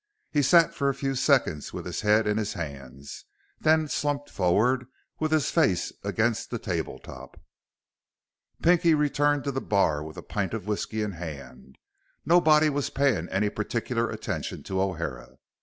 He sat for a few seconds with his head in his hands, then slumped forward with his face against the tabletop. Pinky returned to the bar with a pint of whisky in hand. Nobody was paying any particular attention to O'Hara.